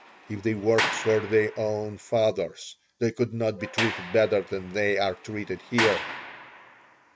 If they worked for their own fathers they could not be treated better than they are treated here."